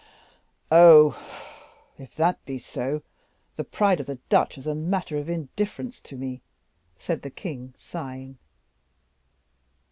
"Oh! if that be so, the pride of the Dutch is a matter of indifference to me," said the king, sighing.